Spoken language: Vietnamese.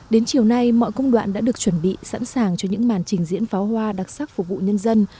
đến chiều nay mọi công đoạn đã được chuẩn bị sẵn sàng cho những màn trình diễn pháo hoa đặc sắc phục vụ nhân dân